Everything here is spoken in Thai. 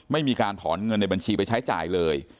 ไม่มีการถอนเงินในบัญชีไปใช้จ่ายเลย